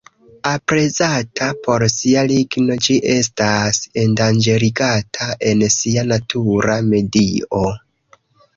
Aprezata por sia ligno, ĝi estas endanĝerigata en sia natura medio.